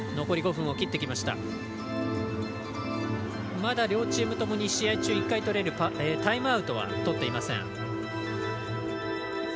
残り５分を切ってきましたがまだ両チームともに試合中１回とれるタイムアウトはとっていません。